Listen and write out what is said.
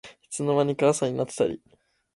いつの間にか朝になってたり